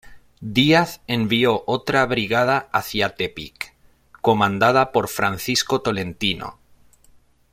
Díaz envió otra brigada hacia Tepic, comandada por Francisco Tolentino.